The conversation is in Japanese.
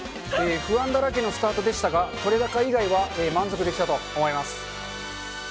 不安だらけのスタートでしたが、撮れ高以外は満足できたと思います。